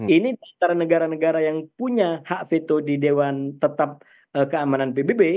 ini di antara negara negara yang punya hak veto di dewan tetap keamanan pbb